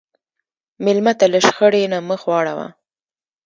مېلمه ته له شخړې نه مخ واړوه.